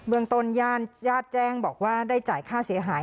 เมืองต้นญาติญาติแจ้งบอกว่าได้จ่ายค่าเสียหาย